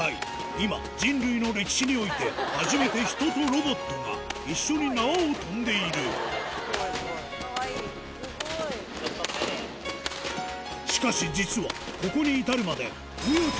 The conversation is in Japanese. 今人類の歴史において初めてヒトとロボットが一緒に縄を跳んでいるしかし実はここに至るまでスタート！